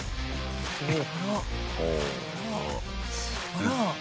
あら。